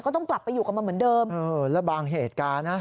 ก็ต้องกลับไปอยู่กับมันเหมือนเดิมเออแล้วบางเหตุการณ์นะ